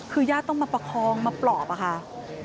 คือญาติต้องมาประคองมาปลอบอะค่ะ